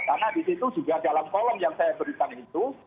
karena di situ juga dalam kolom yang saya berikan itu